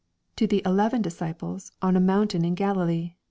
To the eleven disciples, on a moimtain in Galilee.